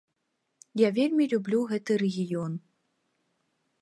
Я вельмі люблю гэты рэгіён.